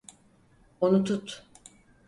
Onu tut.